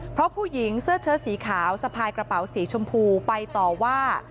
เพราะผู้หญิงเสื้อเชิดสีขาวสะพายกระเป๋าสีชมพูไปต่อว่า